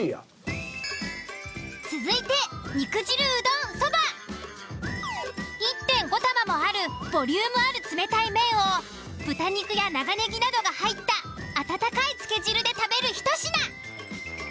続いて１．５玉もあるボリュームある冷たい麺を豚肉や長ネギなどが入った温かいつけ汁で食べるひと品。